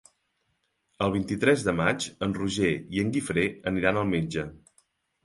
El vint-i-tres de maig en Roger i en Guifré aniran al metge.